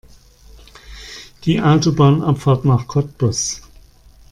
Die Autobahnabfahrt nach Cottbus